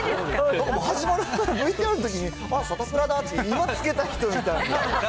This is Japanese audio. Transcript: もう始まるＶＴＲのときに、あっ、サタプラだって、今、つけた人みたいな。